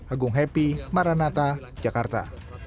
agung happy maranata jakarta